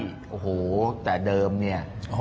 ที่โอ้โฮแต่เดิมรอวาด